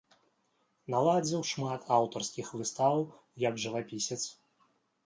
Наладзіў шмат аўтарскіх выстаў як жывапісец.